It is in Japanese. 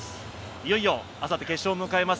いよいよ明後日、決勝を迎えます。